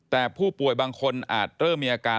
แต่ผู้ป่วยบางคนอาจเริ่มมีอาการ